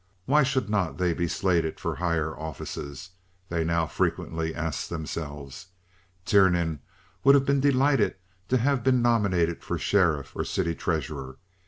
Why should not they be slated for higher offices? they now frequently asked themselves. Tiernan would have been delighted to have been nominated for sheriff or city treasurer.